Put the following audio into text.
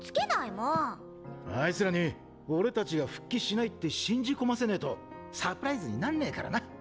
アイツらに俺たちが復帰しないって信じ込ませねぇとサプライズになんねぇからな。